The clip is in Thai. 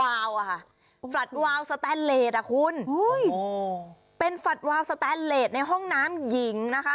อ่ะค่ะแฟลตวาวสแตนเลสอ่ะคุณเป็นแฟลตวาวสแตนเลสในห้องน้ำหญิงนะคะ